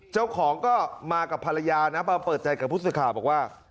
เจ้าของก็มากับภรรยานะมาเปิดใจกับพุธศึกาบอกว่า